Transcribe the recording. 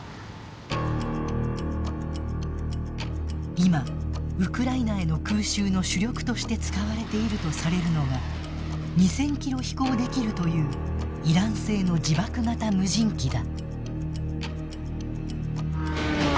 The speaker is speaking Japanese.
今、ウクライナへの空襲の主力として使われているとされるのが２０００ｋｍ飛行できるというイラン製の自爆型無人機だ。